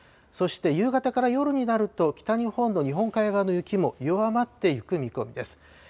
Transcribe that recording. そして夕方から夜になると、北日本の日本海側の雪も弱まってゆく見込みです。